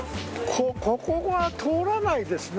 ここは通らないですね。